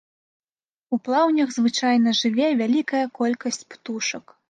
У плаўнях звычайна жыве вялікая колькасць птушак.